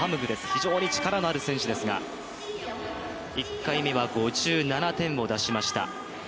非常に力のある選手ですが、１回目は５７点を出しました。